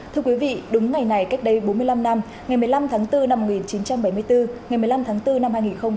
thưa quý vị đúng ngày này cách đây bốn mươi năm năm ngày một mươi năm tháng bốn năm một nghìn chín trăm bảy mươi bốn ngày một mươi năm tháng bốn năm hai nghìn hai mươi